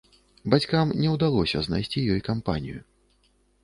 Бацькам не ўдалося знайсці ёй кампанію.